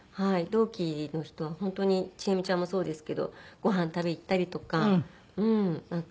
同期の人は本当にちえみちゃんもそうですけどご飯を食べに行ったりとかうん。